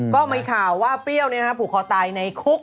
ก็มีข่าวว่าเปรี้ยวผูกคอตายในคุก